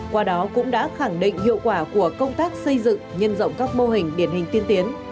qua đó cũng đã khẳng định hiệu quả của công tác xây dựng nhân rộng các mô hình điển hình tiên tiến